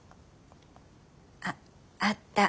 あっあった。